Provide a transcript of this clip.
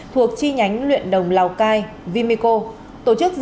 thuộc chi nhánh luyện đồng lào cai vimico